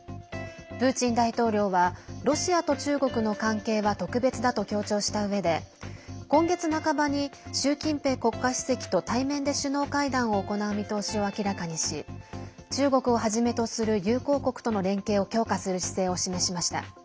プーチン大統領はロシアと中国の関係は特別だと強調したうえで今月半ばに習近平国家主席と対面で首脳会談を行う見通しを明らかにし中国をはじめとする友好国との連携を強化する姿勢を示しました。